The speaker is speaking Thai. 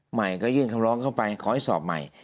ใหม่ก็ยื่นคำร้องเข้าไปขอให้สอบใหม่